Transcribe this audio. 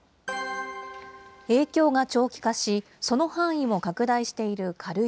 影響が長期化し、その範囲も拡大している軽石。